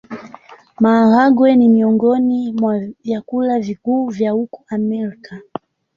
Maharagwe ni miongoni mwa vyakula vikuu vya huko Amerika.